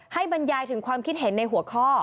บรรยายถึงความคิดเห็นในหัวข้อ